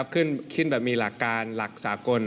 ขึ้นแบบมีหลักการหลักสากล